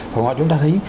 còn ngoài chúng ta thấy